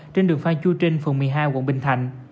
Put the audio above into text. trên đường phan chu trinh phường một mươi hai quận bình thạnh